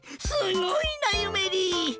すごいなゆめり！